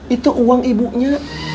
itu uang ibunya